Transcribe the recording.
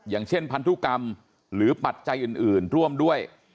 อย่างเช่นพันธุกรรมหรือปัจจัยอื่นร่วมด้วย